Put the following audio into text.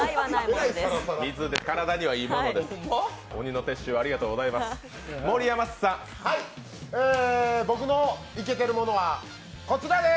体にはいいものです。